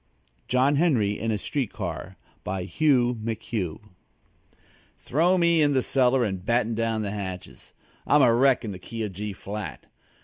JOHN HENRY IN A STREET CAR BY HUGH McHUGH Throw me in the cellar and batten down the hatches. I'm a wreck in the key of G flat.